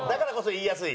言いやすい！